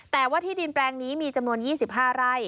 แต่ว่าที่ดินแปลงนี้มีจำนวน๒๕ไร่